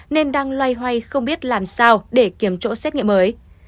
nên đang loay hoay không biết làm sao để kiểm trỗ xét nghiệm mới